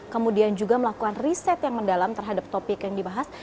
kemudian juga melakukan riset yang mendalam terhadap topik yang dibahas